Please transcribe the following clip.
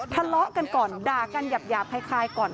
ทะเลาะกันก่อนด่ากันหยาบคล้ายก่อน